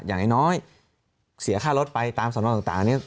อย่างน้อยเสียค่ารถไปตามสนต่างนี้